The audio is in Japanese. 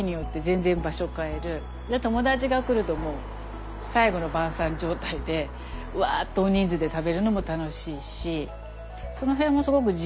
で友達が来るともう最後の晩餐状態でわっと大人数で食べるのも楽しいしその辺もすごく自由に使えるので。